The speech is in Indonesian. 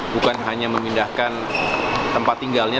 bukan hanya memindahkan tempat tinggalnya